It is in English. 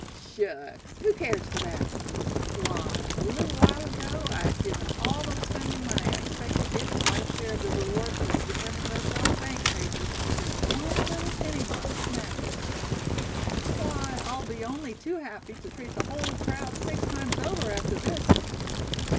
"Shucks! who cares for that? Why, a little while ago I'd given all the spending money I expect to get as my share of the rewards for returnin' those lost bank papers, for just one little penny box of matches. Why, I'll be only too happy to treat the whole crowd six times over, after this.